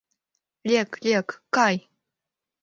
Лек, лек, кай!..